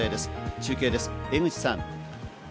中継です、江口さん。